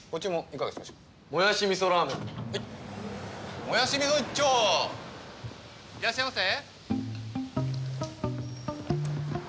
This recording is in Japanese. いらっしゃいませ！